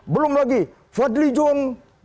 belum lagi fadli john